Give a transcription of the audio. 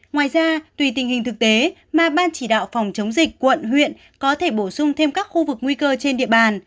ngoài ra tùy tình hình thực tế mà ban chỉ đạo phòng chống dịch quận huyện có thể bổ sung thêm các khu vực nguy cơ trên địa bàn